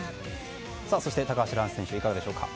そして高橋藍選手いかがでしょうか。